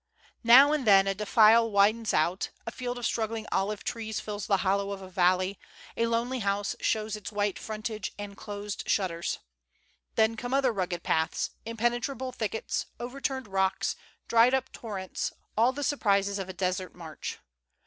Now and then a defile widens out, a field of struggling olive trees fills the hollow of a valle}'', a lonely house shows its white frontage and closed shut ters. Then come other rugged paths, impenetrable thickets, overturned rocks, dried up torrents — all the surprises of a desert march.